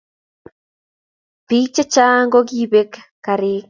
Pik che chang kokipek karik